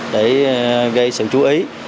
để gây sự chú ý